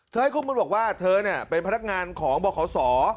เธอให้คุณผู้ชมว่าเธอเป็นพนักงานของบรขาวสอ